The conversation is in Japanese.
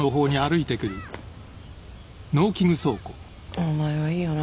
お前はいいよな。